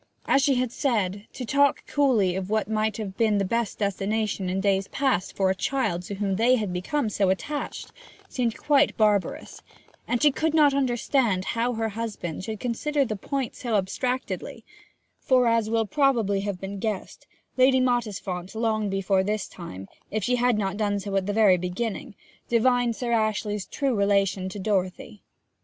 As she had said, to talk coolly of what might have been the best destination in days past for a child to whom they had become so attached seemed quite barbarous, and she could not understand how her husband should consider the point so abstractedly; for, as will probably have been guessed, Lady Mottisfont long before this time, if she had not done so at the very beginning, divined Sir Ashley's true relation to Dorothy.